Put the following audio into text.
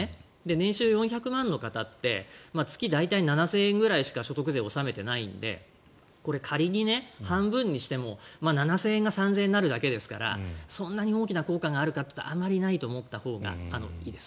年収４００万の方って月に大体７０００円ぐらいしか所得税納めてないのでこれ仮に半分にしても７０００円が３０００円になるだけですからそんなに大きな効果があるかというとあまりないと思ったほうがいいです。